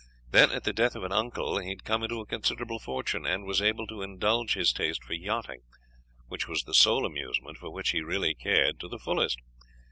Then, at the death of an uncle, he had come into a considerable fortune, and was able to indulge his taste for yachting, which was the sole amusement for which he really cared, to the fullest.